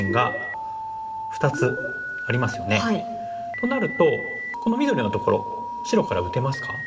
となるとこの緑のところ白から打てますか？